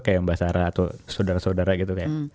kayak mbak sarah atau saudara saudara gitu kayak